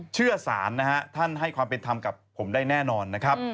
เชื่อสารนะฮะท่านให้ความเป็นธรรมกับผมได้แน่นอนนะครับ